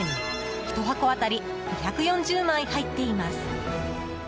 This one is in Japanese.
１箱当たり２４０枚入っています。